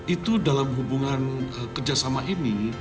itu dalam hubungan kerjasama ini